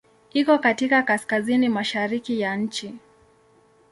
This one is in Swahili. Iko katika kaskazini-mashariki ya nchi.